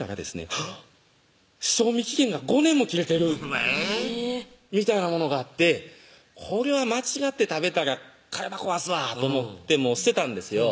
ハッ賞味期限が５年も切れてるえぇっみたいなものがあってこれは間違って食べたら体壊すわと思って捨てたんですよ